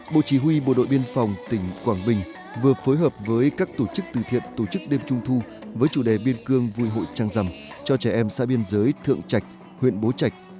bộ chỉ huy bộ đội biên phòng tỉnh quảng bình vừa phối hợp với các tổ chức từ thiện tổ chức đêm trung thu với chủ đề biên cương vui hội trăng rằm cho trẻ em xã biên giới thượng trạch huyện bố trạch